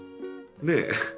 ねえ。